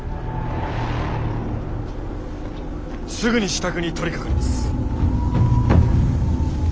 すぐに支度に取りかかります。